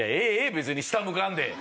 別に下向かんで。